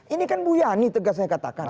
ini kan bu yani tegas saya katakan